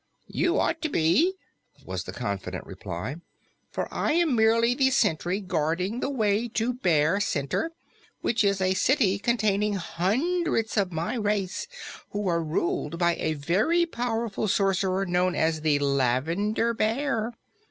"You ought to be," was the confident reply, "for I am merely the sentry guarding the way to Bear Center, which is a city containing hundreds of my race, who are ruled by a very powerful sorcerer known as the Lavender Bear.